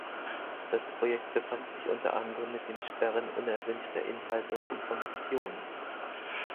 Das Projekt befasst sich unter anderem mit dem Sperren unerwünschter Inhalte und Informationen.